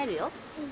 うん。